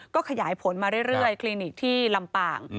ก็ขยายผลมาเรื่อยคลินิกที่ลำปาง